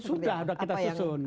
sudah sudah kita susun